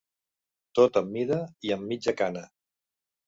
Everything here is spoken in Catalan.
Tot am mida i am mitja-cana